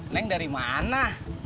neng dari mana